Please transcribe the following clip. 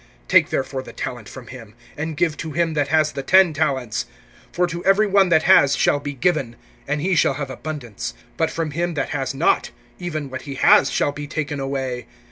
(28)Take therefore the talent from him, and give to him that has the ten talents. (29)For to every one that has shall be given, and he shall have abundance; but from him that has not, even what he has shall be taken away.